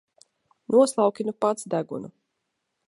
Noslauki nu pats degunu!